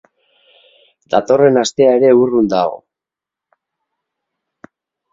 Datorren astea ere urrun dago.